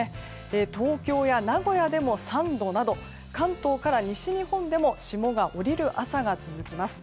東京や名古屋でも３度など関東から西日本でも霜が降りる朝が続きます。